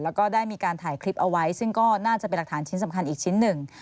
แล้วก็ได้มีการถ่ายคลิปเอาไว้ซึ่งก็น่าจะเป็นหลักฐานชิ้นสำคัญอีกชิ้นหนึ่ง